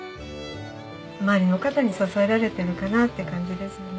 周りの方に支えられてるかなって感じですよね。